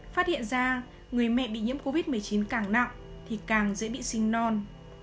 phát hiện ra người mẹ bị nhiễm covid một mươi chín càng nặng thì càng dễ bị sinh non